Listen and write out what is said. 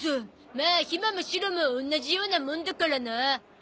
まあひまもシロも同じようなもんだからな。